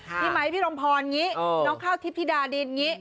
ที่หมายพี่รมพรงี้น้องข้าวทิพย์ธิดาดินงี้